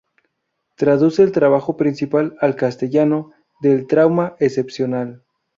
Traduce el trabajo principal, al castellano, del trauma excepcional.